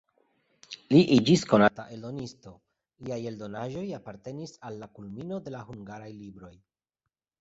Li iĝis konata eldonisto, liaj eldonaĵoj apartenis al la kulmino de la hungaraj libroj.